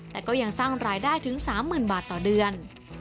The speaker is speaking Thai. แต่ก็ยังสร้างรายได้ถึง๓๐๐๐บาทต่อเดือน